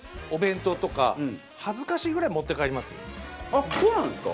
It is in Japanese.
あっそうなんですか？